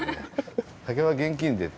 「酒は現金で」って。